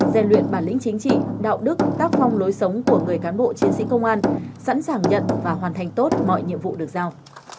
gian luyện bản lĩnh chính trị đạo đức tác phong lối sống của người cán bộ chiến sĩ công an sẵn sàng nhận và hoàn thành tốt mọi nhiệm vụ được giao